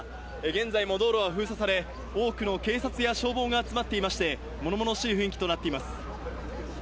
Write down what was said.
現在も道路は封鎖され、多くの警察や消防が集まっていまして、物々しい雰囲気となっています。